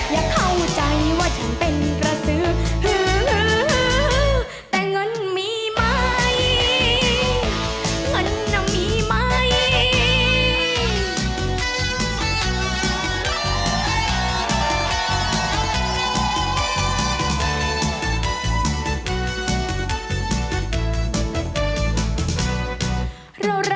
อย่าเข้าใจว่าฉันเป็นกระสือแต่เงินมีไหมเงินน่ะมีไหม